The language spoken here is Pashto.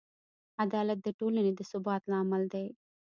عدالت د ټولنې د ثبات لامل دی.